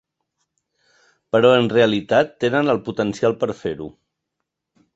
Però en realitat tenen el potencial per a fer-ho.